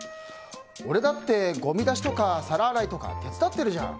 俺だってごみ出しとか皿洗いとか手伝っているじゃん。